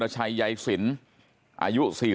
ทำให้สัมภาษณ์อะไรต่างนานไปออกรายการเยอะแยะไปหมด